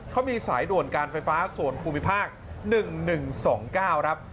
เขามีสายด่วนการไฟฟ้าส่วนภูมิภาคหนึ่งหนึ่งสองเก้าครับ